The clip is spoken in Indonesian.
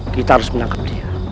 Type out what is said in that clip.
kita harus menangkap dia